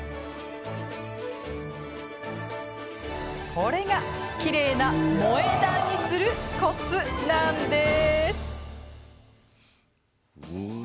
これが、きれいな萌え断にするコツなんです。